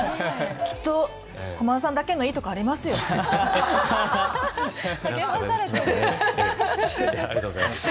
きっと駒田さんだけのいいところありますよ。